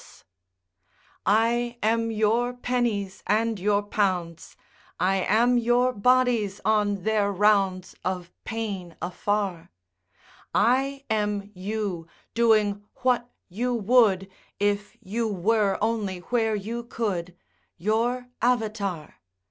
188 AUXILIARIES I am your pennies and your pounds; I am your bodies on their rounds Of pain afar; I am you, doing what you would If you were only where you could —■ Your avatar.